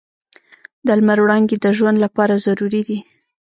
د لمر وړانګې د ژوند لپاره ضروري دي.